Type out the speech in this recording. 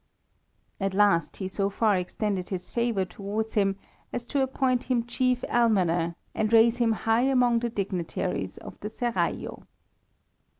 At last he so far extended his favour towards him as to appoint him Chief Almoner, and raise him high among the dignitaries of the Seraglio.